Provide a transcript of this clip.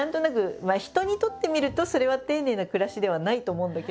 人にとってみるとそれは丁寧な暮らしではないと思うんだけど。